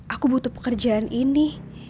aku butuh pekerjaan ini